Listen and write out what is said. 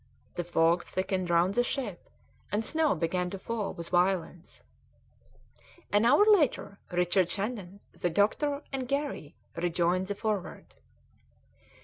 The fog thickened round about the ship, and snow began to fall with violence. An hour later, Richard Shandon, the doctor, and Garry rejoined the Forward.